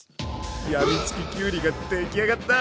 やみつききゅうりが出来上がった！